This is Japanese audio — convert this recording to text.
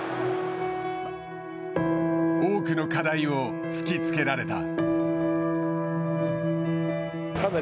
多くの課題を突きつけられた。